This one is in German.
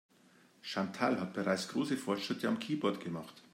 Chantal hat bereits große Fortschritte am Keyboard gemacht.